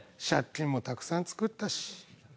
借金もたくさん作ったし。